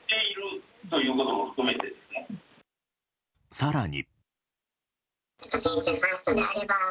更に。